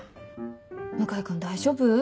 向井君大丈夫？